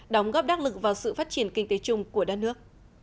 đóng góp đắc lực vào sự phát triển kinh tế chung của đất nước